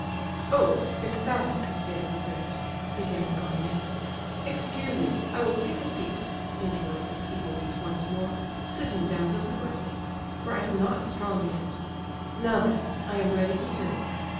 "Oh—if that is the state of affairs—" began Gania. "Excuse me—I will take a seat," interrupted Hippolyte once more, sitting down deliberately; "for I am not strong yet. Now then, I am ready to hear you.